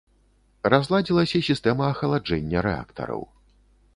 Разладзілася сістэма ахаладжэння рэактараў.